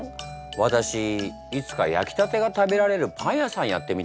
私いつか焼きたてが食べられるパン屋さんやってみたいの。